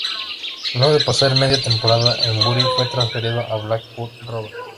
Luego de pasar media temporada en Bury fue transferido al Blackburn Rovers.